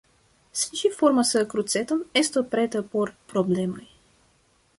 Se ĝi formas kruceton, estu preta por problemoj.